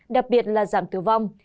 đặc biệt là giảm tử vong